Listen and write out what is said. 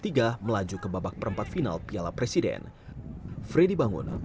pemain yang menang dipastikan akan mewakili grup tiga